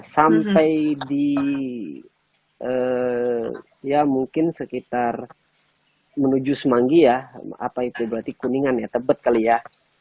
sampai di ya mungkin sekitar menuju semanggi ya apa itu berarti kuningan ya tebet kali ya